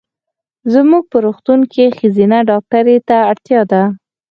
زمونږ په روغتون کې ښځېنه ډاکټري ته اړتیا ده.